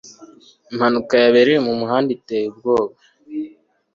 Impanuka yabereye mumuhanda iteye ubwoba